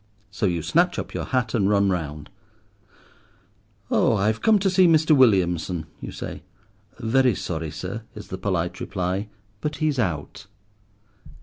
So you snatch up your hat and run round. "Oh, I've come to see Mr. Williamson," you say. "Very sorry, sir," is the polite reply, "but he's out."